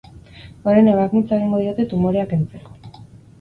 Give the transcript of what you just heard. Orain ebakuntza egingo diote tumorea kentzeko.